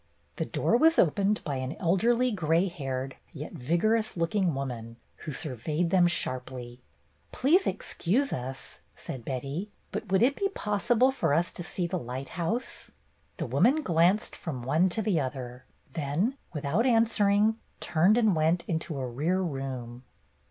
The door was opened by an elderly, gray haired, yet vigorous looking woman, who sur veyed them sharply. ''Please excuse us," said Betty, "but would it be possible for us to see the lighthouse ?" The woman glanced from one to the other, then, without answering, turned and went into a rear room.